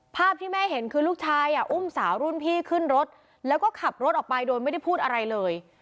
ภาพที่แม่เห็นคือลูกชายอุ้มสาวรุ่นพี่ขึ้นรถแล้วก็ขับรถออกไปโดยไม่ได้พูดอะไรเลย